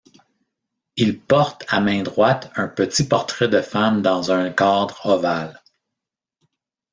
Il porte à main droite un petit portrait de femme dans un cadre ovale.